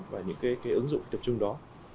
và những cái ứng dụng thi tập trung đó